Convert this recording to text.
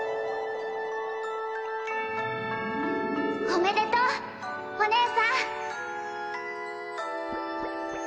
おめでとうお義姉さん！